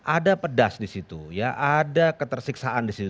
ada pedas di situ ya ada ketersiksaan di situ